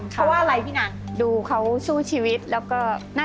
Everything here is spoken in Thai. ชอบดูดวง